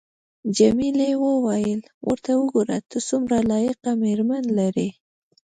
جميلې وويل:: ورته وګوره، ته څومره لایقه مېرمن لرې.